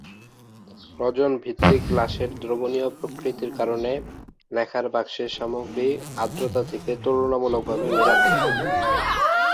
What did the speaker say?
রজন-ভিত্তিক লাশের দ্রবণীয় প্রকৃতির কারণে, লেখার বাক্সের সামগ্রী আর্দ্রতা থেকে তুলনামূলকভাবে নিরাপদ।